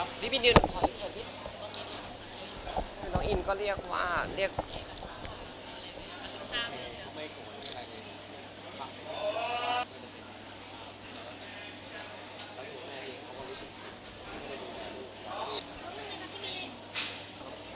อันนี้ก็จะเป็นอันที่สุดท้ายที่จะเป็นอันนี้ก็จะเป็นอันที่สุดท้าย